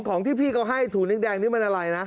ของที่พี่เขาให้ถูดินแดงนี่มันอะไรนะ